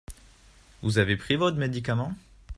Vous avez pris votre médicament ?